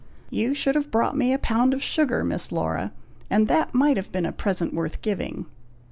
"You should have bought me a pound of sugar, Miss Laura, and that might have been a present worth giving."